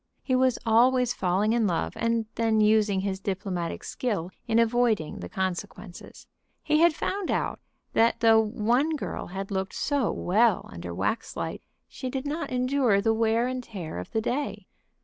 He was always falling in love, and then using his diplomatic skill in avoiding the consequences. He had found out that though one girl had looked so well under waxlight she did not endure the wear and tear of the day.